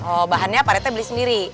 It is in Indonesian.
oh bahannya pak retnya beli sendiri